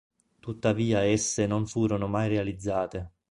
Tuttavia esse non furono mai realizzate.